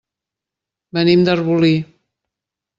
Venim d'Arbolí.